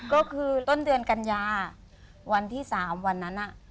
ก็คือต้นเดือนกันยาวันที่๓วันนั้น